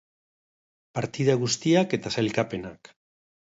Partida guztiak eta sailkapenak.